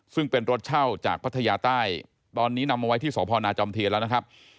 ซึ่งเป็นรถเช่าจากพัทยาใต้ตอนนี้นำมาไว้ที่สพนาจอมเทียนแล้วนะครับ